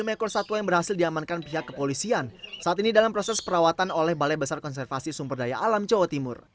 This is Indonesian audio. tiga puluh lima ekor satwa yang berhasil diamankan pihak kepolisian saat ini dalam proses perawatan oleh balai besar konservasi sumberdaya alam jawa timur